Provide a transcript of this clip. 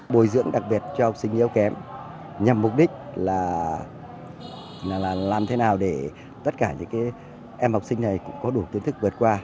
bồi dưỡng đặc biệt cho học sinh yếu kém nhằm mục đích là làm thế nào để tất cả những em học sinh này cũng có đủ kiến thức vượt qua